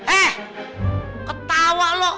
eh ketawa lo